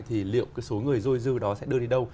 thì liệu số người dôi dư đó sẽ đưa đi đâu